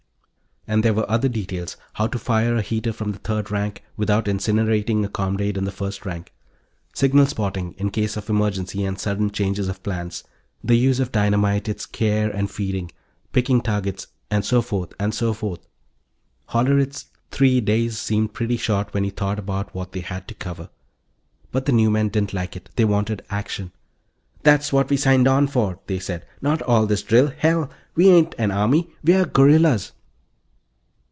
And there were other details: how to fire a heater from the third rank without incinerating a comrade in the front rank; signal spotting, in case of emergency and sudden changes of plan; the use of dynamite, its care and feeding; picking targets and so forth and so forth. Hollerith's three days seemed pretty short when you thought about what they had to cover. But the new men didn't like it. They wanted action. "That's what we signed on for," they said. "Not all this drill. Hell, we ain't an army we're guerrillas."